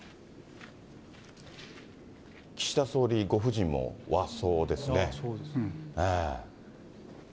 岸田総理ご夫人も和装ですね。